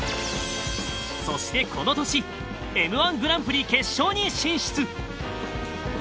そしてこの年 Ｍ−１ グランプリ決勝に進出